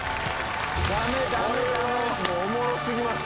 おもろ過ぎます。